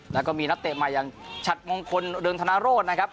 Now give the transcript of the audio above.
แล้วก็มีนักเตะใหม่อย่างฉัดมงคลเรืองธนโรธนะครับ